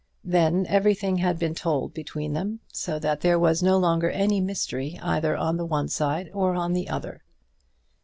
Then everything had been told between them, so that there was no longer any mystery either on the one side or on the other.